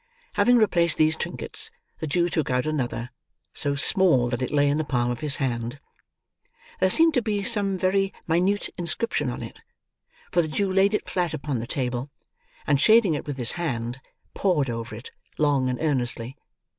Having replaced these trinkets, the Jew took out another: so small that it lay in the palm of his hand. There seemed to be some very minute inscription on it; for the Jew laid it flat upon the table, and shading it with his hand, pored over it, long and earnestly.